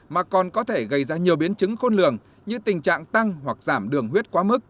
mà còn có thể gây ra nhiều biến chứng khôn lường như tình trạng tăng hoặc giảm đường huyết quá mức